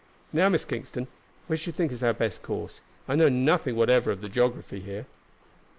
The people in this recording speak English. "Now, Miss Kingston, which do you think is our best course? I know nothing whatever of the geography here."